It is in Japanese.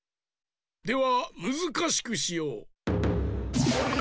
ではむずかしくしよう。